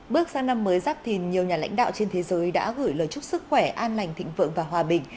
bước sang năm mới giáp thìn nhiều nhà lãnh đạo trên thế giới đã gửi lời chúc sức khỏe an lành thịnh vượng và hòa bình